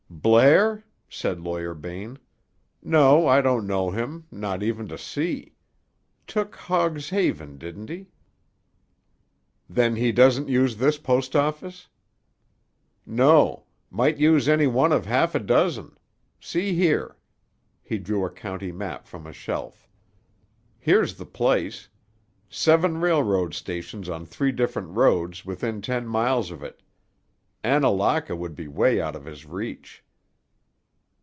"Blair?" said Lawyer Bain. "No, I don't know him, not even to see. Took Hogg's Haven, didn't he?" "Then he doesn't use this post office?" "No. Might use any one of half a dozen. See here." He drew a county map from a shelf. "Here's the place. Seven railroad stations on three different roads, within ten miles of it. Annalaka would be way out of his reach."